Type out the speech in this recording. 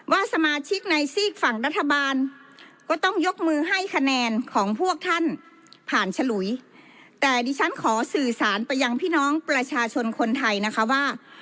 ว่าสมาชิกในซีกฝั่งรัฐบาลก็ต้องยกมือให้คะแนนของพวกท่านผ่านฉลุยแต่ดิฉันขอสื่อสารไปยังพี่น้องประชาชนคนไทยนะคะว่า